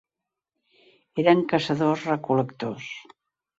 Eren caçadors-recol·lectors.